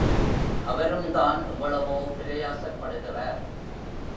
அவரும்தான் எவ்வளவோ பிரயாசைப் படுகிறார்.